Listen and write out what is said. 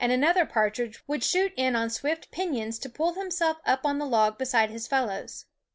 The another partridge would shoot in on swift Roll Call. pinions to pull himself up on the log beside his fellows.